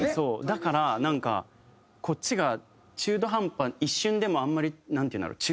だからなんかこっちが中途半端一瞬でもあんまりなんていうんだろう